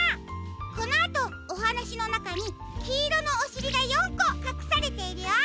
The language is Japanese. このあとおはなしのなかにきいろのおしりが４こかくされているよ。